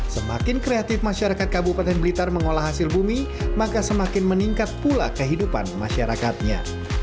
semakin kreatif masyarakat kabupaten blitar mengolah hasil bumi maka semakin meningkat pula kehidupan masyarakatnya